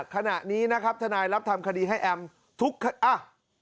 ขณะนี้นะครับทนายรับทำคดีให้แอมทุกอ่ะ